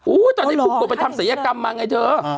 อู้วตอนนี้ปุ๊กโกะไปทำศัยกรรมมาไงเถอะ